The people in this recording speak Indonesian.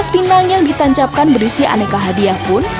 dua belas pinang yang ditancapkan berisi aneka hadiah pun